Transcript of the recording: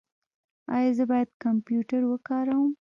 ایا زه باید کمپیوټر وکاروم؟